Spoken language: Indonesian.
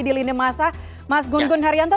di lini masa mas gun gun haryanto